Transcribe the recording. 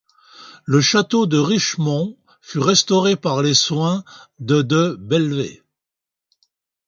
Le château de Richemont fut restauré par les soins de de Belvey.